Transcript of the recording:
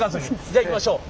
じゃあいきましょう。